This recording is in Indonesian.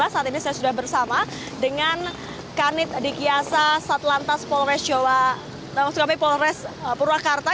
saat ini saya sudah bersama dengan kanit adikyasa satlantas polres purwakarta